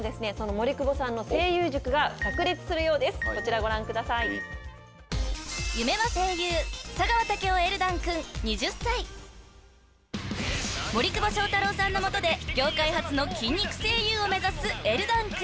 ［森久保祥太郎さんの下で業界初の筋肉声優を目指すエルダン君］